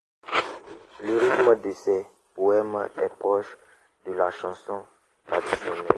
Le rythme de ses poèmes est proche de la chanson traditionnelle.